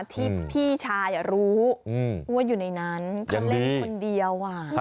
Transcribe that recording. ที่พี่ชายรู้ว่าอยู่ในนั้นเขาเล่นคนเดียว